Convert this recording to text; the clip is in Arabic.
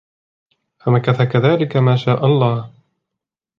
فَمَكَثَ كَذَلِكَ مَا شَاءَ اللَّهُ